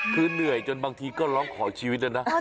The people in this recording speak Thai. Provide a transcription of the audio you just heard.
คือเหนื่อยจนบางทีก็ร้องขอชีวิตแล้วนะ